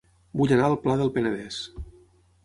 Vull anar a El Pla del Penedès